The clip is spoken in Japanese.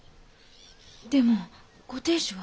でもご亭主は？